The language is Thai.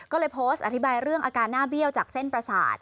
ก็เลยโพสต์อธิบายเรื่องอาการหน้าเบี้ยวจากเส้นประสาท